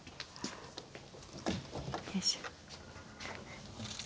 よいしょ。